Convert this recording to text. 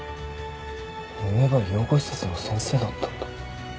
梅ばあ養護施設の先生だったんだ。